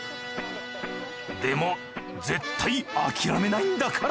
でも絶対諦めないんだから！